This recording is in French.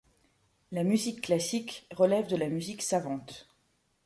La musique classique relève de la musique savante.